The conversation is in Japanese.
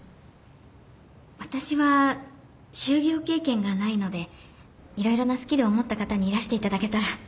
私は就業経験がないので色々なスキルを持った方にいらしていただけたら。